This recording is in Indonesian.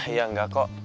iya engga kok